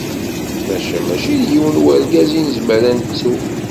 Maca mačči d yiwen n urgaz i nezmar ad nettu.